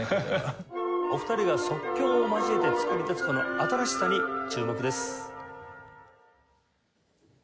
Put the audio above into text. お二人が即興を交えて作り出すこの新しさに注目です。